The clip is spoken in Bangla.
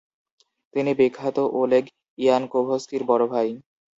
তিনি বিখ্যাত ওলেগ ইয়ানকোভস্কির বড় ভাই।